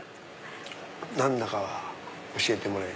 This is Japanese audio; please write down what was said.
何だかは教えてもらえ。